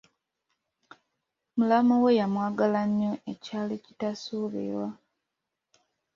Mulamu we yamwagala nnyo ekyali kitasuubirwa.